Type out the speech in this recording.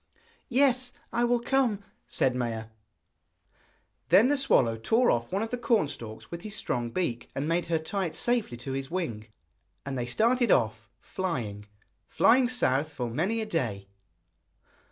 'Yes, I will come,' said Maia. Then the swallow tore off one of the corn stalks with his strong beak, and bade her tie it safely to his wing. And they started off, flying, flying south for many a day.